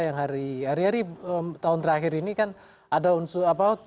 yang hari hari tahun terakhir ini kan ada unsur apa